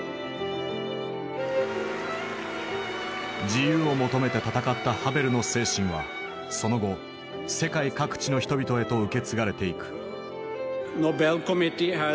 自由を求めて闘ったハヴェルの精神はその後世界各地の人々へと受け継がれていく。